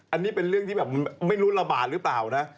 อันนี้เป็นเรื่องที่แบบไม่รู้ระบาดหรือเปล่านะ